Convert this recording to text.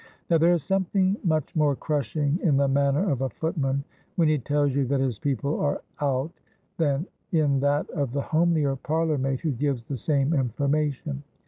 Now there is something much more crushing in the manner of a footman when he tells you that his people are out than in that of the homelier parlour maid who gives the same informa tion.